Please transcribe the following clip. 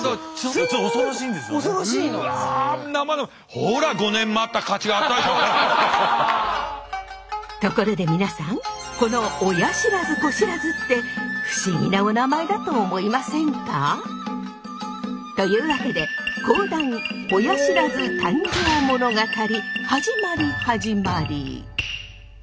ほらところで皆さんこの親不知・子不知って不思議なおなまえだと思いませんか？というわけで講談「親不知誕生ものがたり」始まり始まり！